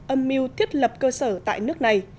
âm mưu thiết lập cơ sở tại nước này